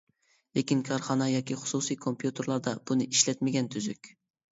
لېكىن، كارخانا ياكى خۇسۇسىي كومپيۇتېرلاردا بۇنى ئىشلەتمىگەن تۈزۈك.